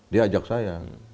dia ajak saya